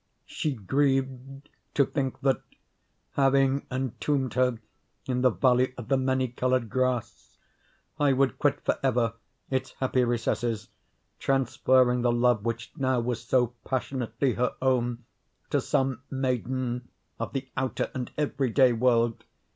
She grieved to think that, having entombed her in the Valley of the Many Colored Grass, I would quit forever its happy recesses, transferring the love which now was so passionately her own to some maiden of the outer and everyday world.